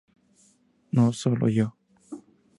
No solo yo.